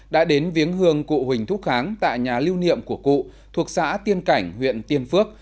đã đến viếng hương cụ huỳnh thúc kháng tại nhà lưu niệm của cụ thuộc xã tiên cảnh huyện tiên phước